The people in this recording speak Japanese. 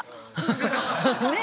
ねえ。